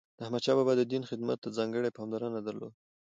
احمدشاه بابا د دین خدمت ته ځانګړی پاملرنه درلوده.